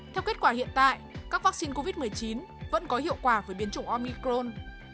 theo kết quả hiện tại các vaccine covid một mươi chín vẫn có hiệu quả với biến chủng omicron